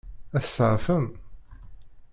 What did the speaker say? Ad t-tseɛfem?